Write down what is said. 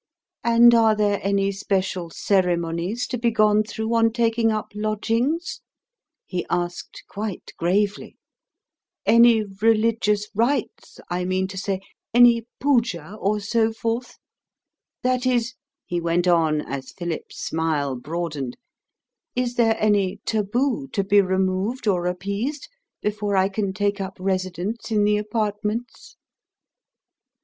"And are there any special ceremonies to be gone through on taking up lodgings?" he asked quite gravely. "Any religious rites, I mean to say? Any poojah or so forth? That is," he went on, as Philip's smile broadened, "is there any taboo to be removed or appeased before I can take up my residence in the apartments?"